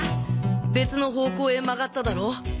別の方向へ曲がっただろ？